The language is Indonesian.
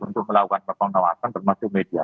untuk melakukan pengawasan termasuk media